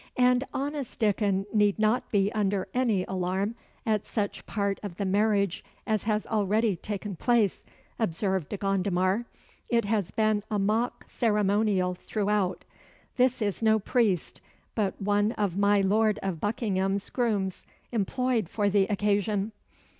"And honest Dickon need not be under any alarm at such part of the marriage as has already taken place," observed De Gondomar. "It has been a mock ceremonial throughout. This is no priest, but one of my Lord of Buckingham's grooms employed for the occasion."